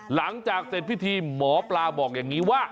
หลังจากเสร็จพิธีหมอปลาบอกอย่างนี้ว่า